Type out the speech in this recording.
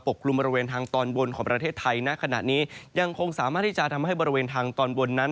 กลุ่มบริเวณทางตอนบนของประเทศไทยณขณะนี้ยังคงสามารถที่จะทำให้บริเวณทางตอนบนนั้น